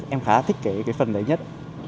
em khá thích cái phần đấy nhất